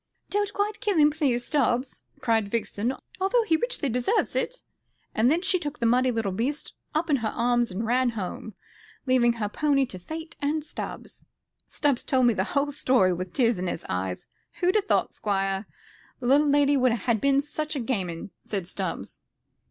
'Don't quite kill him, please, Stubbs,' cried Vixen, 'although he richly deserves it;' and then she took the muddy little beast up in her arms and ran home, leaving her pony to fate and Stubbs. Stubbs told me the whole story, with tears in his eyes. 'Who'd ha' thought, Squire, the little lady would ha' been such a game 'un?' said Stubbs."